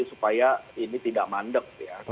supaya ini tidak mandek